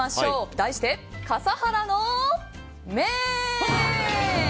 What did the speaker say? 題して、笠原の眼！